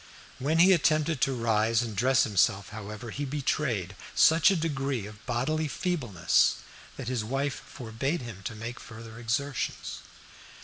When he attempted to rise and dress himself, however, he betrayed such a degree of bodily feebleness that his wife forbade him to make further exertions.